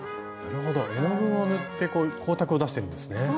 なるほど絵の具を塗って光沢を出してるんですね。